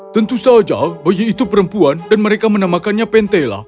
tentu saja bayi itu perempuan dan mereka menamakannya pentela